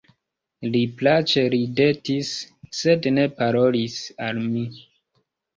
Li plaĉe ridetis, sed ne parolis al mi.